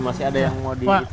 masih ada yang mau di